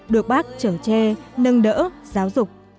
được bác trở tre nâng đỡ giáo dục